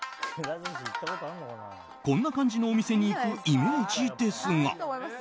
こんな感じのお店に行くイメージですが。